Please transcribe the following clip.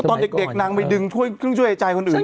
ตอนเด็กนางไปดึงเครื่องช่วยใจคนอื่น